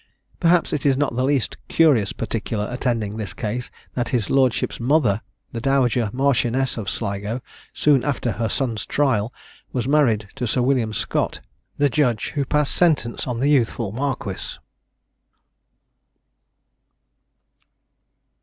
Perhaps it is not the least curious particular attending this case, that his lordship's mother, the Dowager Marchioness of Sligo, soon after her son's trial, was married to Sir William Scott, the judge who passed sentence on the youthful marquis.